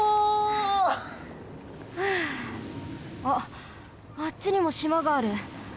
あっあっちにもしまがある。